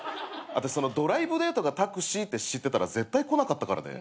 あたしそのドライブデートがタクシーって知ってたら絶対来なかったからね。